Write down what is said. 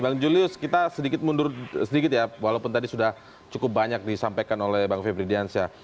bang julius kita sedikit mundur sedikit ya walaupun tadi sudah cukup banyak disampaikan oleh bang febri diansyah